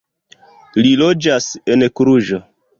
Li loĝas en Kluĵo.